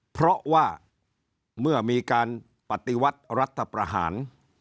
เพราะว่าเมื่อมีการปฏิวัติรัฐประหาร